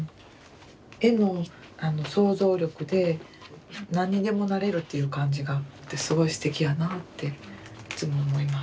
絵の想像力で何にでもなれるっていう感じがすごいすてきやなっていつも思います。